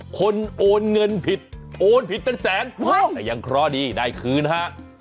โอนเงินผิดโอนผิดเป็นแสนแต่ยังเคราะห์ดีได้คืนฮะ